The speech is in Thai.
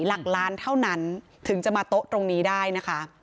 หลักล้านเท่านั้นถึงจะมาโต๊ะตรงนี้ได้นะคะ